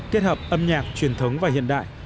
kết hợp âm nhạc truyền thống và hiện đại